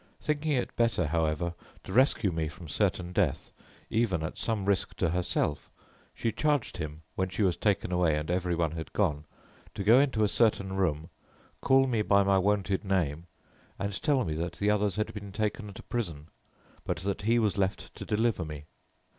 Thinking it better, however, to rescue me from certain death, even at some risk to herself, she charged him, when she was taken away and everyone had gone, to go into a certain room, call me by my wonted name, and tell me that the others had been taken to prison, but that he was left to deliver me.